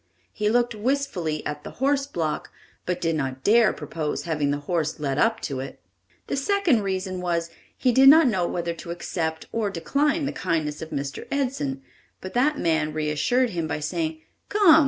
He looked wistfully at the horse block, but did not dare propose having the horse led up to it. The second reason was he did not know whether to accept or decline the kindness of Mr. Edson; but that man reassured him by saying: "Come!